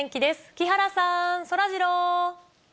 木原さん、そらジロー。